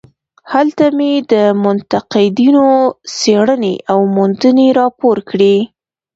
هلته مې د منتقدینو څېړنې او موندنې راپور کړې.